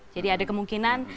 jadi ada kemungkinan